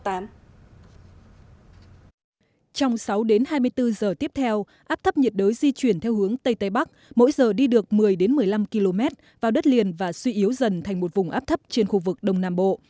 trong sáu đến hai mươi bốn giờ tiếp theo áp thấp nhiệt đới di chuyển theo hướng tây tây bắc mỗi giờ đi được một mươi một mươi năm km vào đất liền và suy yếu dần thành một vùng áp thấp trên khu vực đông nam bộ